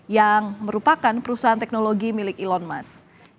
yang merupakan perusahaan teknologi milik elon musk